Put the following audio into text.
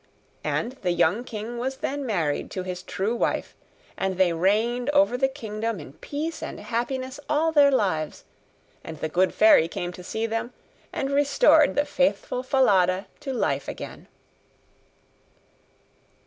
And the young king was then married to his true wife, and they reigned over the kingdom in peace and happiness all their lives; and the good fairy came to see them, and restored the faithful Falada to life again.